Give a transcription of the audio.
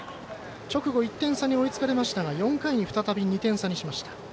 直後１点差に追いつかれましたが４回に再び２点差にしました。